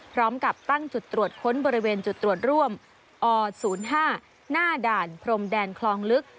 พร้อมกับตั้งจุดตรวจค้นบริเวณจุดตรวจร่วมอ๐๕หน้าด่านพรมแดนคลองลึก